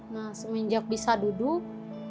nah semenjak bisa duduk